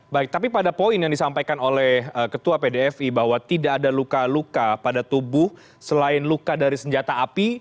baik tapi pada poin yang disampaikan oleh ketua pdfi bahwa tidak ada luka luka pada tubuh selain luka dari senjata api